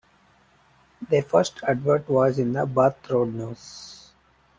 Their first advert was in the "Bath Road News".